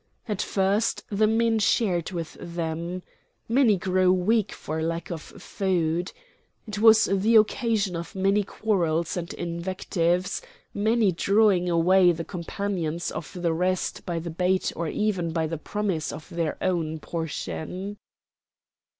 At first the men shared with them. Many grew weak for lack of food. It was the occasion of many quarrels and invectives, many drawing away the companions of the rest by the bait or even by the promise of their own portion.